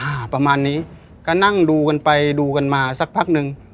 อ่าประมาณนี้ก็นั่งดูกันไปดูกันมาสักพักหนึ่ง